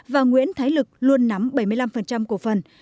và nguyễn thái lực luôn nắm bảy mươi năm cổ phần